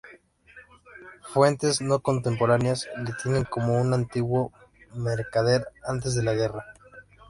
Fuentes no contemporáneas le tienen como un antiguo mercader antes de la guerra.